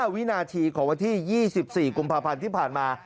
วินาทีของวันที่๒๔กุมภาพันธ์ที่ผ่านมา